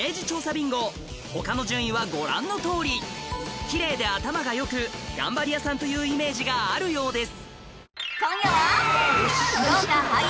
ビンゴ他の順位はご覧のとおりきれいで頭がよく頑張り屋さんというイメージがあるようです